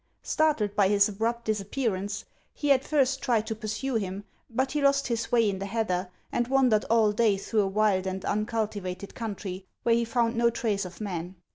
Startled by his abrupt disappearance, he at first tried to pursue him ; but he lost his way in the heather, and wandered all day through a wild and uncultivated country, where he found no trace of man.